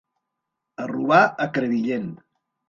A robar, a Crevillent!